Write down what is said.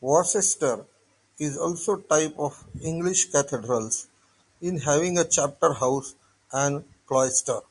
Worcester is also typical of English cathedrals in having a chapter house and cloister.